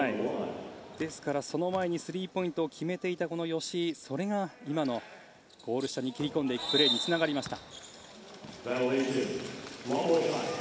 ですからその前にスリーポイントを決めていたこの吉井、それが今のゴール下に切り込んでいくプレーにつながりました。